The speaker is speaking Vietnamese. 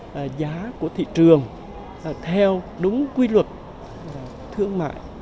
cái giá của thị trường là theo đúng quy luật thương mại